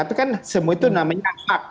itu kan semua itu namanya hak